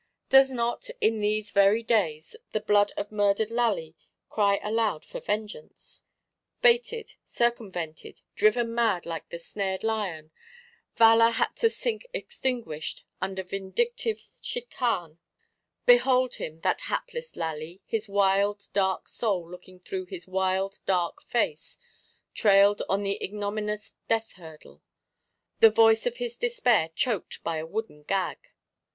Does not, in these very days, the blood of murdered Lally cry aloud for vengeance? Baited, circumvented, driven mad like the snared lion, Valour had to sink extinguished under vindictive Chicane. Behold him, that hapless Lally, his wild dark soul looking through his wild dark face; trailed on the ignominious death hurdle; the voice of his despair choked by a wooden gag!